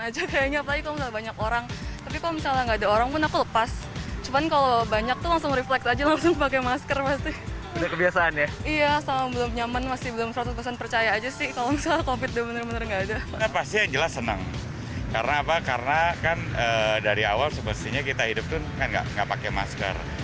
jelas senang karena dari awal kita hidup tidak pakai masker